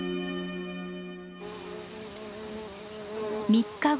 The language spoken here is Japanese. ３日後。